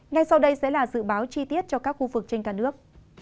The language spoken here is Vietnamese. ngay sau đây sẽ là dự báo chi tiết cho các khu vực trên cả nước